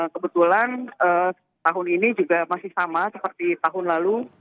kebetulan tahun ini juga masih sama seperti tahun lalu